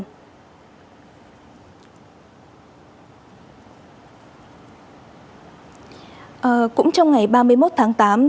các bộ công an đã có chỉ đạo cho công an các địa phương khi tiếp nhận người được đặc sá trở về